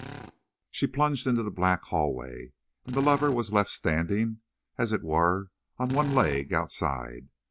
She plunged into the black hallway, and the lover was left standing, as it were, on one leg, outside.